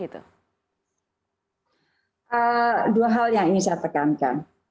dua hal yang ingin saya tekankan